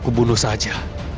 aku bunuh saja